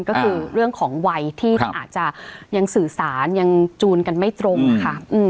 ก็คือเรื่องของวัยที่อาจจะยังสื่อสารยังจูนกันไม่ตรงนะคะ